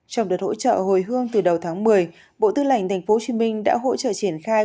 trong đợt hỗ trợ hồi hương từ đầu tháng một mươi bộ tư lệnh tp hcm đã hỗ trợ triển khai